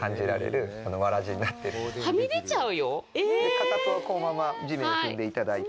かかとをこのまま、地面を踏んでいただいて。